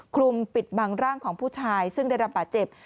คลุมปิดบังร่างของผู้ชายซึ่งได้รับบาดเจ็บ